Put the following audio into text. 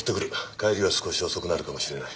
帰りは少し遅くなるかもしれない。